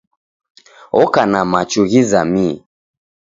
Oka na machu ghizamie.